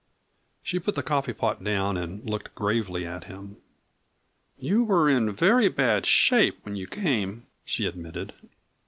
She put the coffee pot down and looked gravely at him. "You were in very bad shape when you came," she admitted.